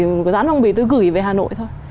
một dãn phong bì tôi gửi về hà nội thôi